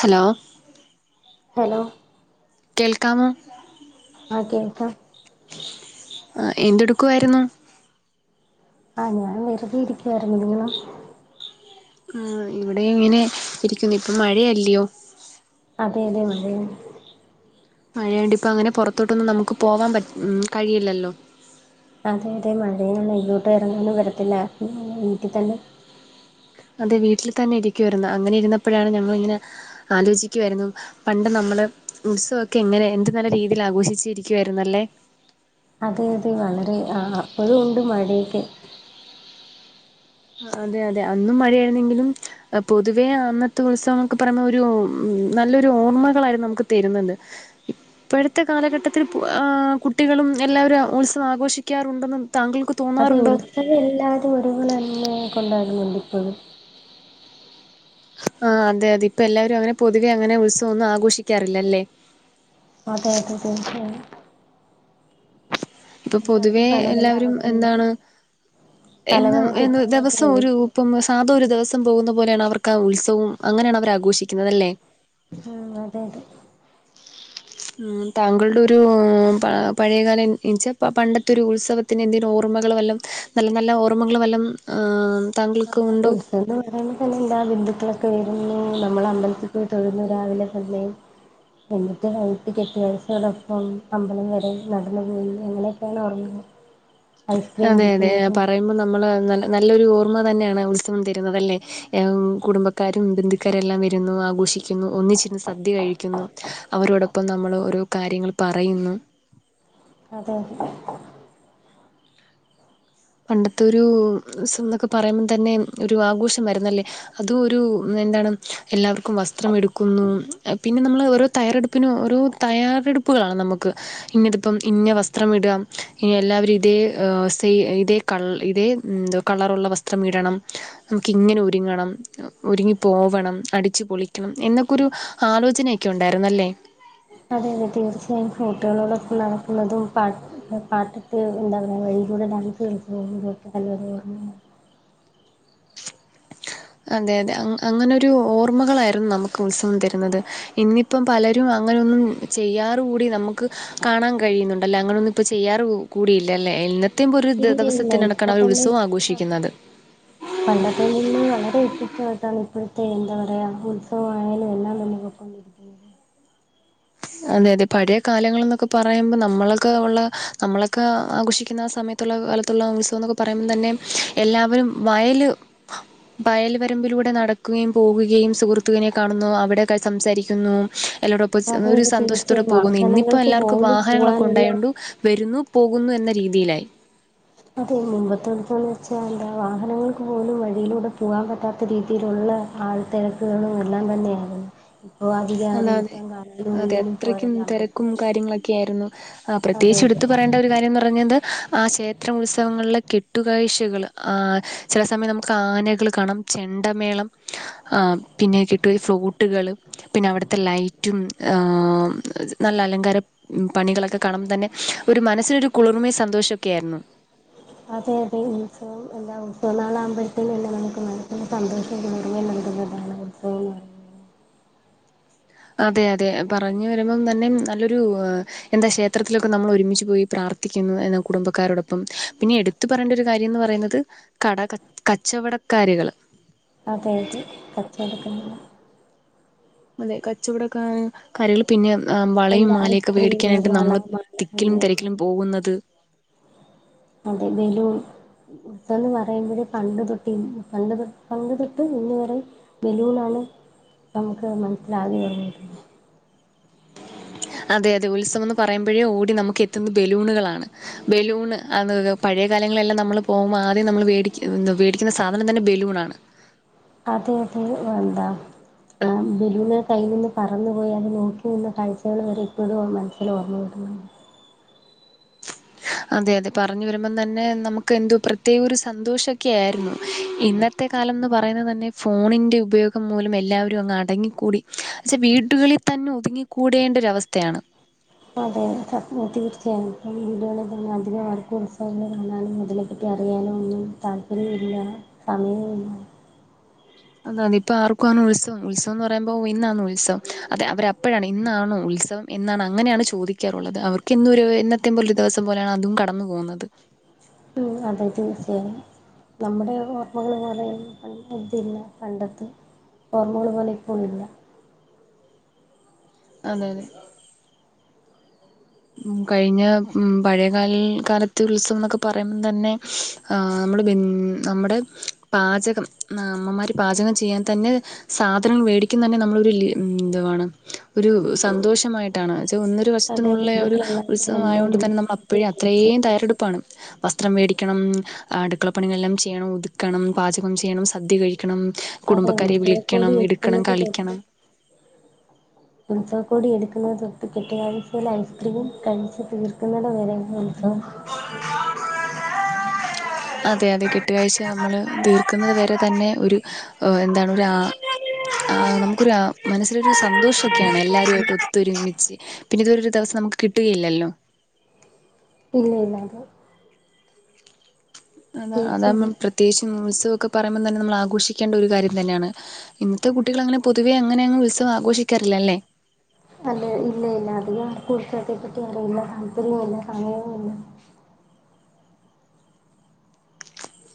Hello hello കേൾക്കാമോ? ആഹ് കേൾക്കാം. ആഹ്, എന്തെ‌ടുക്കുവായിരുന്നു? ആഹ്, ഞാൻ വെറുതെ ഇരിക്കുവായിരുന്നു നിങ്ങളോ ആഹ്, ഇവിടെ ഇങ്ങനെ ഇരിക്കും ഇപ്പം മഴയല്ല്യോ അതെ അതെ മഴയാ മഴണ്ട് ഇപ്പങ്ങനെ പൊറത്തോട്ടൊന്നും നമുക്ക് പോവാൻ പറ്റ് കഴിയില്ലല്ലോ അതെ അതെ മഴയാണ്. ഇങ്ങോട്ട് [unintelligible] വരത്തില്ല വീട്ടിതന്നെ അതെ വീട്ടിൽ തന്നെ ഇരിക്കുവായിരുന്നു. അങ്ങനെ ഇരുന്നപ്പഴാണ് ഞങ്ങളിങ്ങനെ ആലോചിക്കുവാരുന്നു പണ്ട് നമ്മള് ഉത്സവൊക്കെ എങ്ങനെ എന്ത് നല്ല രീതിയിലാഘോഷിച്ചിരിക്കുവായിരുന്നല്ലേ അതെ അതെ വളരെ ആഹ് അപ്പോഴുണ്ട് മഴയൊക്കെ അതെ, അതെ അന്നും മഴയായിരുന്നെങ്കിലും പൊതുവേ അന്നത്തെ ഉത്സവംന്നൊക്കെ പറയുമ്പോരു നല്ലൊരു ഓർമ്മകളായിരുന്നു നമുക്ക് തരുന്നത്. [inaudible] ഇപ്പോഴത്തെ കാലഘട്ടത്തിൽ പ് ആ കുട്ടികളും എല്ലാവരും ഉത്സവം ആഘോഷിക്കാറുണ്ടെന്ന് താങ്കൾക്ക് അതെ തോന്നാറുണ്ടോ ഉത്സവ എല്ലാരും ഒരുപോലെ തന്നെ കൊണ്ടോവല്ണ്ട് ഇപ്പഴും ആഹ് അതെ അതെ ഇപ്പെല്ലാരും അങ്ങനെ പൊതുവെ അങ്ങനെ ഉത്സവോന്നും ആഘോഷിക്കാറില്ലല്ലേ? അതെ അതെ അഹ് ഇപ്പം പൊതുവേ എല്ലാവരും പല പല എല്ലാവരും തിരക്കില്ല എന്താണ്, പല എന്നും പല എന്നും ‌ തിരക്കിലായിട്ട് പോകും ദെവസൊരു ഇപ്പം സാധ ഒരു ദിവസം പോകുന്ന പോലെയാണവർക്കാ ആ ഉത്സവും അങ്ങനെയാണവർ ആഘോഷിക്കുന്നതല്ലേ ഹ്മ്മ്, അതെ അതെ. ഉം താങ്കളുടെ ഒരു പഴയകാലം എന- ഇപ്പോം പണ്ടത്തൊരു ഉത്സവത്തിന് എന്തേലും ഓർമ്മകള് വല്ലോം നല്ല നല്ല ഓർമ്മകള് വല്ലോം ആഹ് ആഹ ഉത്സവ എന്ന് പറയുമ്പോ തന്നെ എന്താ ബന്ദുക്കളൊക്കെ വരുന്നു നമ്മൾ അമ്പലത്തിൽ പോയി തൊഴുന്നു രാവിലെ സമയം എന്നിട്ട് വൈകിട്ട് കെട്ടിയോൻസിനോടൊപ്പം അമ്പലം വരെ നടന്ന് വന്ന് എങ്ങനെയൊക്കെയാണ് ഉറങ്ങാ ഉ [unintelligible] അതെ അതെ പറയുമ്പോ നമ്മള് നല്ല നല്ലൊരു ഓർമ്മ തന്നെയാണ് ഉത്സവം തരുന്നതല്ലേ കുടുംബക്കാരും ബന്ധുക്കാരെല്ലാം വരുന്നു ആഘോഷിക്കുന്നു ഒന്നിച്ചിരുന്ന് സദ്യ കഴിക്കുന്നു അവരോടൊപ്പം നമ്മള് ഓരോ കാര്യങ്ങൾ പറയുന്നു അതെയതെ പണ്ടത്തെ ഒരു ഉത്സവം ന്നൊക്കെ പറയുമ്പോ തന്നെ ഒരു ആഘോഷം ആരുന്നല്ലേ അതും ഒരു എന്താണ് എല്ലാവർക്കും വസ്ത്രം എടുക്കുന്നു പിന്നെ നമ്മൾ ഓരോ തയ്യാറെടുപ്പിനും ഓരോ തയ്യാറെടുപ്പുകളാണ് നമ്മക്ക് ഇന്നത് ഇപ്പം ഇന്ന വസ്ത്രം ഇടാം ഇ എല്ലാവരും ഇതേ സെയിം - ഇതേ ക ഇതേ എന്ത കളറുള്ള വസ്ത്രം ഇടണം നമുക്കിങ്ങനെ ഒരുങ്ങണം ഒരുങ്ങിപ്പോവണം അടിച്ചു പൊളിക്കണം എന്നൊക്കൊരു ആലോചനൊക്കെ ഉണ്ടായിരുന്നല്ലേ അതെയതെ തീർച്ചയായും കൂട്ടുകാരോടൊപ്പം നടക്കുന്നതും പ പാട്ടിട്ട് എന്താ പറയ വഴിക്കൂടെ ഡാൻസ് ഉം ഉം ഇതൊക്കെ നല്ല ഓർമയാ അതെ അതെ അങ്ങനൊരു ഓർമ്മകളായിരുന്നു നമുക്ക് ഉത്സവം തരുന്നത് ഇന്നി -പ്പം പലരും അങ്ങനൊന്നും ചെയ്യാറ് കൂടി നമുക്ക് കാണാൻ കഴിയുന്നുണ്ട് അല്ലേ അങ്ങനൊന്നും ഇപ്പ ചെയ്യാറ് കൂടിയില്ലല്ലെ ഇന്ന് അത്യം പോ ഒരു ഇല്ല ഇല്ല ഇപ്പൊ ദിവസത്തിനനക്കാണ് അവര് ഒരു തന്നെ ഉത്സവം അതെ ആഘോഷിക്കുന്നത് പണ്ടത്തെ നിന്ന് വളരെ വ്യത്യസ്തമായിട്ടാണ് ഇപ്പോഴത്തെ എന്താ പറയാ ഉത്സവമായാലും എല്ലാം തന്നെ [unintelligible] അതെ അതെ പഴയ കാലങ്ങള് ന്നൊക്കെ പറയുമ്പോ നമ്മളൊക്കെ ഉള്ള നമ്മളൊക്കെ ആഘോഷിക്കുന്ന ആഹ് സമയത്ത് കാലത്തുള്ള ഉത്സവം എന്നൊക്കെ പറയുമ്പോൾ തന്നെ എല്ലാവരും വയല് വയൽവരമ്പിലൂടെ നടക്കുകയും പോകുകയും സുഹൃത്തുവിനെ കാണുന്നു അവിടെ സംസാരിക്കുന്നു എല്ലോടൊപ്പം അതെ ഒരു അതെ സന്തോഷത്തോടെ തീർച്ചയായും പോകുന്നു ഇന്നിപ്പം വാഹനങ്ങൾക്ക് എല്ലാവർക്കും പോലും വാഹനങ്ങളൊക്കെ പോവാനുള്ള ഉണ്ടായൊണ്ട് വരുന്നു പോകുന്നു എന്ന രീതിയിലായി അതെ മുൻപത്തെ എന്താന്ന് വെച്ചാൽ വാഹനങ്ങൾക്ക് പോലും വഴിയിലൂടെ പോകാൻ പറ്റാത്ത രീതിയിലുള്ള ആൾ തിരക്കുകളും എല്ലാം തന്നെയായിരുന്നു ഇപ്പോ അധികം അത ആരും അതെ എടുത്താൻ കാണാനും അതെ ഒന്നിനും അത്രക്കും പോരല്ല അമ്പലത്തിൽ തിരക്കും പോയി കാര്യങ്ങളൊക്കെ ആയിരുന്നു ആ അതെ പ്രത്യേകിച്ച് അതെ എടുത്ത് പറയണ്ട ഒരു കാര്യം പറഞ്ഞത് ആ ക്ഷേത്ര ഉത്സവങ്ങളിലെ കെട്ടുകഴ്ചകൾ ആ ചില സമയം നമുക്ക് ആനകൾ കാണാം ചെണ്ടമേളം ആ പിന്നെ കിട്ടും ഫ്രൂട്ടുകൾ പിന്നെ അവിടുത്തെ ലൈറ്റും നല്ല അലങ്കാര- -പണികളൊക്കെ കാണുമ്പോ തന്നെ ഒരു മനസ്സിനൊരു കുളിർമയും സന്തോഷൊക്കെ ആയിരുന്നു അതെ അതെ ഉത്സവം എന്താ ഉത്സവ നാളാകുമ്പോഴത്തേന്നെ നമ്മക്ക് മനസിന് സന്തോഷം ഇത് വറേ നാണ് [unintelligible] അതെ അതെ പറഞ്ഞു വരുമ്പം തന്നെ നല്ലൊരു എന്താ ക്ഷേത്രത്തിലൊക്കെ നമ്മൾ ഒരുമിച്ച് പോയി പ്രാർത്ഥിക്കുന്നു എന്ന കുടുംബക്കാരോടൊപ്പം പിന്നെ എടു- എടുത്ത് പറയേണ്ട ഒരു കാര്യം എന്ന് പറയുന്നത് കട കച്ചവടക്കാരികൾ അതെയതെ കച്ചോടക്കാർ അതെ കച്ചവടക്കാര് കടകളിൽ പിന്നെ വളയും എന്താ മാലയൊക്കെ ഐസ്ക്രീം വള മേടിക്കാനായിട്ട് നമ്മൾ മാല തിക്കിലും എന്നിവയെല്ലാം തിരക്കിലും പോകുന്നത് അതെ ബലൂൺ ഉത്സവം ന്ന് പറയുമ്പോഴേ പണ്ട് തൊട്ട് പണ്ട് ത പണ്ട് തൊട്ട് ഇന്ന് വരെ ബലൂൺ ആണ് നമുക്ക് മനസ്സിലാകെ വരുന്നത് അതെ അതെ ഉത്സവം എന്ന് പറയുമ്പോഴേ ഓടി നമുക്ക് എത്തുന്നത് ബലൂണുകളാണ് ബലൂൺ അത് പഴയകാലങ്ങളെല്ലാം നമ്മൾ പോകുമ്പോൾ ആദ്യം നമ്മൾ വേടി വേടിക്കുന്ന സാധനം തന്നെ ബലൂൺ ആണ് അതെ അതെ എന്താ ബലൂൺ കയ്യിൽ നിന്ന് പറന്നു പോയി അത് നോക്കി നിന്ന കാഴ്ചകൾ വരെ ഇപ്പോഴും മനസ്സിൽ ഓർമ്മ വരുന്നൊണ്ട് അതെ, അതെ, പറഞ്ഞ് വരുമ്പം തന്നെ നമുക്ക് എന്തോ പ്രത്യേക ഒരു സന്തോഷം ഒക്കെ ആയിരുന്നു. ഇന്നത്തെ [unintelligible] കാലം എന്ന് പറയുന്നത് തന്നെ ഫോണിൻ്റെ ഉപയോഗം മൂലം എല്ലാവരും അങ്ങ് അടങ്ങിക്കൂടി പക്ഷേ, വീട്ടുകളിൽ തന്നെ ഒതുങ്ങിക്കൂടേണ്ട ഒരവസ്ഥയാണ്. അതെ [unintelligible] തീർച്ചയായും വീടുകളിൽ തന്നെ അധികം ആർക്കും ഉത്സവങ്ങൾ കാണാനും [unintelligible] അതിനെ പറ്റി അറിയാനോ ഒന്നും താല്പര്യംല്ലാ സമയോല്ലാ അതെ അതെ ഇപ്പൊ ആർക്കും അങ്ങ് ഉത്സവം, ഉത്സവം എന്ന് പറയുമ്പോൾ ഇന്നാണ് ഉത്സവം അതെ അവർ എപ്പൊഴാന്ന് ഇന്നാണോ ഉത്സവം എന്നാണ് അങ്ങനെയാണ് ചോദിക്കാറുള്ളത് അവർക്ക് എന്നരു [unintelligible] എന്നത്തേയും പോലെ എന്നത്തേം ദിവസം പോലെയാണ് അതും കടന്നു പോകുന്നത്. ഉം അതെ തീർച്ചയായും നമ്മുടെ ഓർമ്മകൾ പോലെ [unintelligible] പണ്ടത്തെ ഓർമ്മകൾ പോലെ ഇപ്പൊ ഇല്ല അതെ അതെ ഉം കഴിഞ്ഞ മ്മ് പഴയ [unintelligible] കാലത്ത് ഉത്സവം എന്നൊക്കെ പറയുമ്പോ തന്നെ ആഹ് നമ്മുടെ [unintelligible] നമ്മുടെ പാചകം [unintelligible] അമ്മമ്മാർ പാചകം ചെയ്യാൻ തന്നെ സാധനങ്ങൾ വേടിക്കുന്ന തന്നെ നമ്മളൊരു ലി എന്തുമാണ് ഒരു സന്തോഷമായിട്ടാണ് എന്ന് വച്ച ഒന്ന് ഒരു വസ്തു [unintelligible] പഴയ ഒരു ബന്ധുക്കളെല്ലാവരും ഉത്സവം വന്ന് ആയത് കൊണ്ട് തന്നെ ഒരുമിച്ച് നമ്മൾ സദ്യ അപ്പോഴും കഴിച്ച് അത്രയും തയ്യാറെടുപ്പാണ് വസ്ത്രം മേടിക്കണം അടുക്കള പണി എല്ലാം ചെയ്യണം, ഒതുക്കണം, പാചകം ചെയ്യണം, സദ്യ കഴിക്കണം, അതെ കുടുംബക്കാരെ ഉത്സവക്കോടി വിളിക്കണം എടുക്കണം കളിക്കണം [unintelligible] [unintelligible] എടുക്കുന്നത് തൊട്ട് കെട്ടുകാഴ്ചയിലെ ഐസ്ക്രീമും കഴിച്ച് തീർക്കുന്നതും വരെ [unintelligible] [unintelligible] അതെ അതെ കെട്ടുകാഴ്ച നമ്മള് തീർക്കുന്നത് വരെ തന്നെ ഒരു എന്താണ് ഒരു ആഹ് ആഹ് നമുക്കൊരു ആഹ് മനസ്സിലൊരു സന്തോഷം ഒക്കെയാണ് എല്ലാവരും ആയിട്ട് ഒത്തരുമിച്ച് പിന്നെ ഇതൊ പോലാരു ദിവസം നമുക്ക് കിട്ടുകയില്ലല്ലോ! ഇല്ല ഇല്ല അതെ അതാ അതാണ്, തീർച്ചയായും പ്രത്യേകിച്ച് ഉത്സവമൊക്കെ പറയുമ്പോൾ തന്നെ നമ്മൾ ആഘോഷിക്കേണ്ട ഒരു കാര്യം തന്നെയാണ്. ഇന്നത്തെ കുട്ടികൾ അങ്ങനെ പൊതുവേ അങ്ങനെ അങ്ങ് ഉത്സവം ആഘോഷിക്കാറില്ല അല്ലെ? അല്ല, ഇല്ല ഇല്ല അധികം ആർക്കും ഉത്സവത്തെപ്പറ്റി അറിയില്ല, താല്പര്യം ഇല്ല, സമയവും ഇല്ല.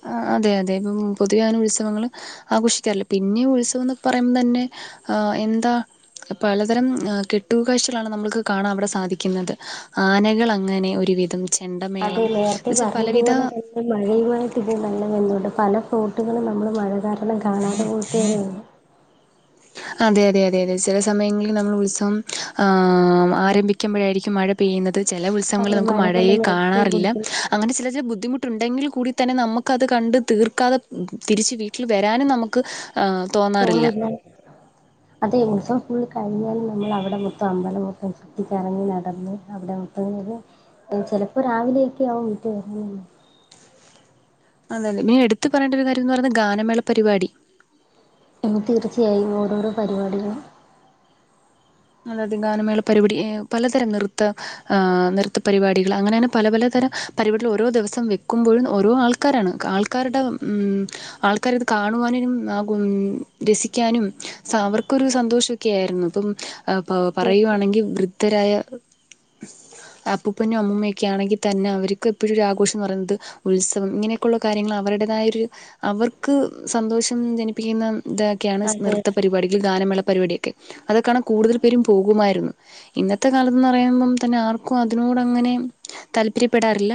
ആ അതെ, അതെ, മഹ് പൊതുവെ അങ്ങനെ ഉത്സവങ്ങള് ആഘോഷിക്കാറില്ല, പിന്നെയുത്സവെന്ന് പറയുമ്പം തന്നെ ആ എന്താ? പലതരം കെട്ടുകാഴ്ചകളാണ് നമ്മൾക്ക് കാണാൻ അവിടെ സാധിക്കുന്നത്. ആനകൾ അങ്ങനെ ഒരു ഒരുവിധം ചെണ്ടമേളം ന്നുവെച്ച പലവിധ മഴ [unintelligible] നല്ല [unintelligible] പല ഫ്ലോട്ടുകളും നമ്മള് മഴ കാരണം കാണാതെ പോയിട്ട് വരെ ഉണ്ട്. അതെ അതെ അതെ അതെ ചില സമയങ്ങളിൽ നമ്മൾ ഉത്സവം ആഹ് ആരംഭിക്കുമ്പോഴായിരിക്കും മഴ പെയ്യുന്നത്. ചില അത് ഉത്സങ്ങളിൽ നമുക്ക് മഴ മഴയെ നനഞ്ഞ് ഐസ്ക്രീം കാണാറില്ല. കുടിക്കുന്നത് അങ്ങനെ ചില ചില ബുദ്ധി മുട്ടുണ്ടെങ്കിൽ കൂടി തന്നെ നമ്മക്ക് അത് കണ്ട് തീർക്കാതെ തിരിച്ച് വീട്ടിൽ വരാനും നമുക്ക് ആഹ് പോവില്ലേ? [inaudible] അതെ ഉത്സവം ഫുള്ള് കഴിഞ്ഞാലും നമ്മള് അവിടെ മൊത്തം അമ്പലം മൊത്തം ചു ചുറ്റി കറങ്ങി നടന്ന് അവിടെ [unintelligible] ചിലപ്പോൾ രാവിലെയൊക്കെ ആകും വീട്ടിൽ വരാൻ തന്നെ. അതന്നെ പിന്നീ എടുത്ത് പറയേണ്ട ഒരു കാര്യം എന്ന് പറയുന്നത് ഗാനമേള പരിപാടി പിന്നെ തീർച്ചയായും ഓരോരോ പരിപാടികളും അതേതെ ഗാനമേള പരിപാടി, പലതരം നൃത്ത ആഹ് നൃത്ത പരിപാടികൾ അങ്ങനെങ്ങനെ പല പലതരം പരിപാടികൾ ഓരോരോ ദിവസം വെക്കുമ്പോഴും ഓരോ ആൾക്കാരാണ്. ആൾക്കാരുടെ മഹ് ആൾക്കാര് അത് കാണുവാനും ആ കും രസിക്കാനും സ അവർക്കൊരു സന്തോഷ ഒക്കെ ആയിരുന്നു ഇപ്പം ആ പ തീർച്ചയായും പറയുവാണെങ്കിൽ വൃദ്ധരായ അപ്പൂപ്പനും അമ്മൂമ്മയും ഒക്കെ ആണെങ്കിൽ തന്നെ അവർക്ക് എപ്പോഴും ഒരു ആഘോഷം എന്ന് പറയുന്നത്, ഉത്സവം ഇങ്ങനെയൊക്കെയുള്ള കാര്യങ്ങൾ അവരുടേതായൊരു അവർക്ക് സന്തോഷം ജനിപ്പിക്കുന്ന, ഇതൊക്കെയാണ് സ്, അതെ നൃത്ത പരിപാടിക്ക് ഗാനമേള പരിപാടിയൊക്കെ അതൊക്കാണാൻ കൂടുതൽ പേരും പോകുമായിരുന്നു. ഇന്നത്തെ കാലത്ത്ന്ന് പറയുമ്പം തന്നെ ആർക്കും അതിനോട് അങ്ങനെ, താല്പര്യപ്പെടാറില്ല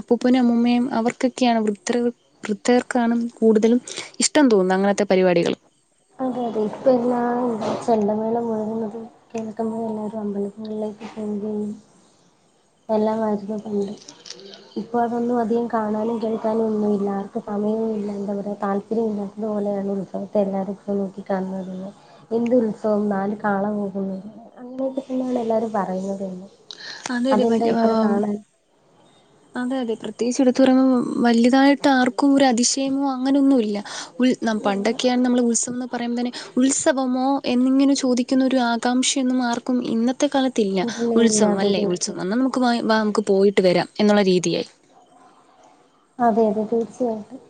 അപ്പൂപ്പനും അമ്മൂമ്മയും അവർക്കൊക്കെയാണ് വൃദ്ധ വൃദ്ധർക്കാണ് കൂടുതലും ഇഷ്ടം തോന്നുന്നത് അങ്ങനത്തെ പരിപാടികൾ അതെ ഇപ്പൊ എല്ലാ ചെണ്ടമേളം മുഴുങ്ങുന്നത് കേൾക്കുമ്പോ എല്ലരും അമ്പലങ്ങളിലേക്ക് [unintelligible] എല്ലാം ത് പണ്ട്, ഇപ്പൊ അതൊന്നും അധികം കാണാനും കേൾക്കാനും ഒന്നും ഇല്ലാ ആർക്കും സമയവും ഇല്ല എന്താ പറയുക താല്പര്യം ഇല്ലാത്തതുപോലെയാണ്. എന്നിട്ടെല്ലാരിപ്പോ നോക്കി [unintelligible] എന്ത് ഉത്സവം, നാല് കാള പോകുന്നു അങ്ങനെയൊക്കെ തന്നെയാണ് എല്ലാരും പറയുന്നത് തന്നെ അതെടി അതെന്താ വല് ഇത്ര ആഹ് കാണാൻ അതെ അതെ പ്രത്യേകിച്ച് എടുത്ത് പറയുമ്പോ വലുതായിട്ട് ആർക്കും ഒരു അതിശയമോ അങ്ങനെയൊന്നുമില്ല. ഉൽ നാം ഇല്ല പണ്ടൊക്കെയാണ് നമ്മള് ഉത്സവം ന്ന് പറയുമ്പോ തന്നെ ഉത്സവമോ എന്നിങ്ങനെ ചോദിക്കുന്നൊരു ആകാംക്ഷയൊന്നും ആർക്കും ഇന്നത് ത്തെ കാലത്തില്ല ഇല്ല ഇല്ല ഉത്സവം അതെ അല്ലേ? ഉത്സവം, തീർച്ചയായിട്ടും എന്നാൽ നമുക്ക് വാ നമുക്ക് പോയിട്ട് വരാം എന്നുള്ള രീതിയായി. അതെയതെ തീർച്ചയായിട്ടും.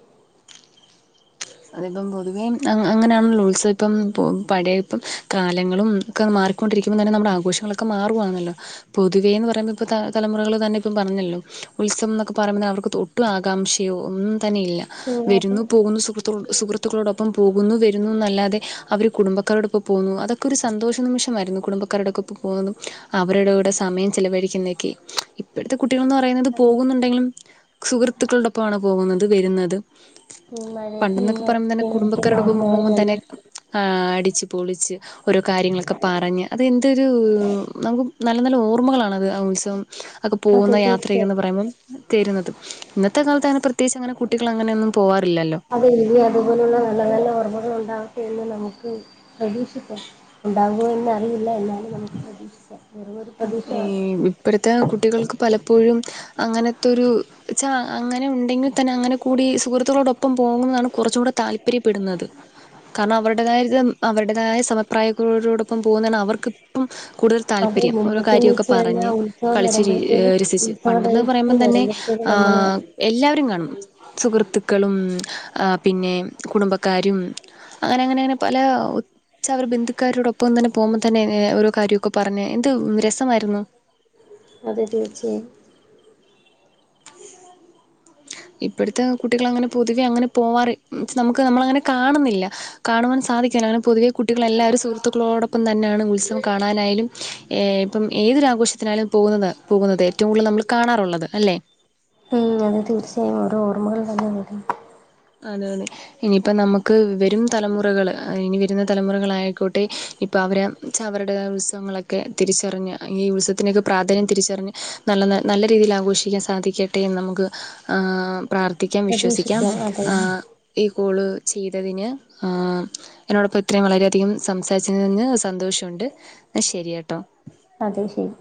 അതിപ്പം പൊതുവേ അങ്ങ അങ്ങനെയാണല്ലോ ഉത്സവം ഇപ്പം പൊ പഴയ ഇപ്പം കാലങ്ങളും ക്കെ മാറിക്കൊണ്ടിരിക്കുമ്പോൾ തന്നെ നമ്മുടെ ആഘോഷങ്ങളൊക്ക മാറുവാന്നല്ലോ. പൊതുവേ എന്ന് പറയുമ്പോ ഇപ്പ ത തലമുറകൾ തന്നെ ഇപ്പം പറഞ്ഞല്ലോ ഉത്സവം എന്നൊക്കെ പറയുമ്പ അവർക്ക് തോ ഒട്ടുംആകാംക്ഷയോ ഒന്നും തന്നെയില്ല. ഉം, അതെ വരുന്നു പോകുന്നു, സുഹ് ത്തു സുഹൃത്തുക്കളോടൊപ്പം പോകുന്നു വരുന്നു എന്നല്ലാതെ അവർ കുടുംബക്കാരോടൊപ്പം പോകുന്നു അതൊക്കെ ക്കെ ഒരു സന്തോഷ നിമിഷമായിരുന്നു കുടുംബക്കാരോടൊക്കൊപ്പം പോകുന്നതും അവരുടെ കൂടെ സമയം ചിലവഴിക്കുന്നയൊക്കെ ഇപ്പോഴത്തെ കുട്ടികൾന്ന് പറയുന്നത് അതെ പോകുന്നുണ്ടെങ്കിലും, സുഹൃത്തുക്കടൊപ്പമാണ് പോകുന്നത് വരുന്നത് [inaudible] പണ്ടെന്നൊക്കെ പറയുമ്പോ തന്നെ ഐസ്ക്രീം കുടിക്കുന്ന കുടുംബക്കാരോടൊപ്പം ഓർമ്മകൾ പോകുമ്പം നല്ല തന്നെ ആഹ് അടിച്ച് പൊളിച്ച് ഓരോ കാര്യങ്ങളൊക്കെ പറഞ്ഞ് അതെന്തൊരു നമുക്ക് നല്ല നല്ല ഓർമ്മകളണത് ആഹ് ഉത്സവം ഒക്കെ അതെ പോകുന്ന തീർച്ചയായും യാത്രയക്കന്ന് പറയുമ്പോം തരുന്നത് ഇന്നത്തെ കാലത്ത് അങ്ങനെ പ്രത്യേകിച്ച് അങ്ങനെ കുട്ടികൾ അങ്ങനെയൊന്നും പോവാറില്ലല്ലോ അതെഴുതി അതുപോലുള്ള നല്ല നല്ല ഓർമ്മകൾ ഉണ്ടാകട്ടെ എന്ന് നമുക്ക് പ്രതീക്ഷിക്കാം ഉണ്ടാവോന്ന് അറിയില്ല എന്നാലും നമുക്ക് പ്രതീക്ഷിക്കാം വെറുമൊരു പ്രതീക്ഷയാണ് ഇപ്പഴത്തെ കുട്ടികൾക്ക് പലപ്പോഴും അങ്ങനത്തെൊരു ച്ചാ അങ്ങനെ ഉണ്ടെങ്കിൽ തന്നെ അങ്ങനെ കൂടി സുഹൃത്തുക്കളോടൊപ്പം പോകുന്നതാണ് കുറച്ചും കൂടെ താല്പര്യപ്പെടുന്നത് കാരണം അവരുടേതായത് അവരുടേതായ സമപ്രായക്കരോടൊപ്പം പോകുന്നത അവർക്ക് ഇപ്പം കൂടുതൽ അതെ താല്പര്യം ഓരോ മുമ്പൊക്കെന്ന് കാര്യമൊക്കെ വെച്ച് പറഞ്ഞ് കഴിഞ്ഞാൽ ഉത്സവം കളിച്ച് വരുമ്പോഴത്തേനും രസിച്ചച്ച് പണ്ടെന്ന പറയുമ്പോം തന്നെ ശരി നമ്മള് ആഹ് എല്ലാവരും കാണും സുഹൃത്തുക്കളും ങ് പിന്നെ കുടുംബക്കാരും അങ്ങനെ അങ്ങനെ പല ഉച്ചവർ ബന്ധുക്കാരോടൊപ്പം തന്നെ പോകുമ്പോൾ തന്നെ ഓരോ കാര്യമൊക്കെ പറഞ്ഞ് എന്ത് രസമായിരുന്നു അതെ തീർച്ചയായും ഇപ്പോഴത്തെ കുട്ടികൾ അങ്ങനെ പൊതുവെ അങ്ങനെ പോവാറ് നമുക്ക് നമ്മളങ്ങനെ കാണുന്നില്ല കാണുവാൻ സാധിക്കല്ല അങ്ങനെ പൊതുവെ കുട്ടികൾ എല്ലാരും സുഹൃത്തുക്കളോടൊപ്പം തന്നെയാണ് ഉത്സവം കാണാനായാലും ഏഹ് ഇപ്പം ഏതൊരാഘോഷത്തിനാലും പോകുന്നത് പോകുന്നത് ഏറ്റവും കൂടുതൽ നമ്മൾ കാണാറുള്ളത് അല്ലേ ഉം അത് തീർച്ചയായും ഒരു ഓർമകൾ തന്നെ വരും അതാണ് ഇനിയിപ്പം നമക്ക് വരും തലമുറകൾ ഇനി വരുന്ന തലമുറകളായിക്കോട്ടെ ഇപ്പ അവര് ച അവരുടെ ഉത്സവങ്ങളൊക്കെ തിരിച്ചറിഞ്ഞ് ഈ ഉത്സവത്തിനൊക്കെ പ്രാധാന്യം തിരിച്ചറിഞ്ഞ് നല്ല ന നല്ല രീതിയിൽ ആഘോഷിക്കാൻ സാധിക്കട്ടെന്ന് നമുക്ക് ങ് പ്രാർത്ഥിക്കാം വിശ്വസിക്കാം പ്രതീക്ഷിക്കാം അതെ അ ഈ കോള് ചെയ്തതിന് ആഹ് എന്നോടൊപ്പം ഇത്രയും വളരെയധികം സംസാരിച്ച നിന്ന് സന്തോഷണ്ട് ന്ന ശരിയട്ടോ അതെ ശരി.